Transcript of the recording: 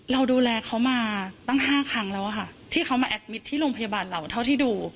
เราดูแลเขามาตั้ง๕ครั้งแล้วค่ะที่เขามาแอดมิตรที่โรงพยาบาลเราเท่าที่ดู